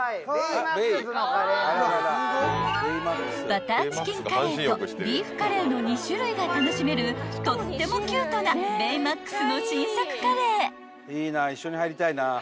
［バターチキンカレーとビーフカレーの２種類が楽しめるとってもキュートなベイマックスの新作カレー］